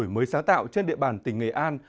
mới sáng tạo trên địa bàn tỉnh nghệ an